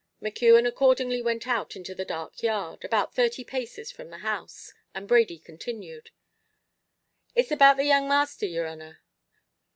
McKeon accordingly went out into the dark yard, about thirty paces from the house, and Brady continued "It's about the young masther, yer honor."